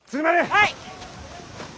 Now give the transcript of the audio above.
はい！